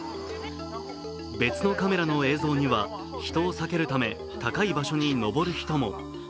別のカメラの映像には、人を避けるため高い場所に登る人も。